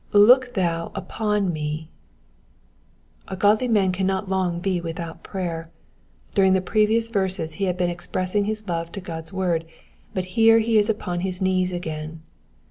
''''Look thou upon me,'*'' A godly man cannot long be without prayer. During the previous verses he had been expressing his love to God's word, but here he is upon his knees again.